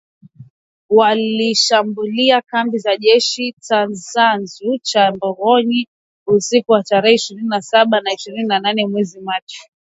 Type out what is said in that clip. walishambulia kambi za jeshi Tchanzu na Runyonyi usiku wa tarehe ishirini na saba na ishirini na nane mwezi Machi